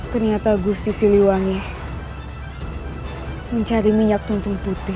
ternyata gusti siliwangi mencari minyak tuntung putih